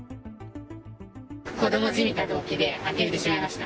子どもじみた動機で、あきれてしまいました。